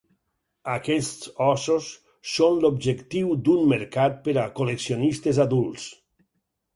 Aquests ossos són l'objectiu d'un mercat per a col·leccionistes adults.